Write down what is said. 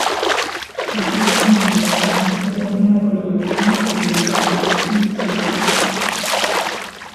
Los dos hombres comenzaron una colaboración que duraría quince años.